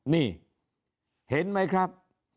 นี่เห็นไหมครับ